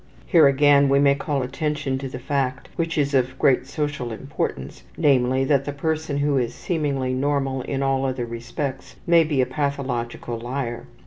Here again, we may call attention to the fact, which is of great social importance, namely, that the person who is seemingly normal in all other respects may be a pathological liar.